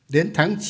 đến tháng chín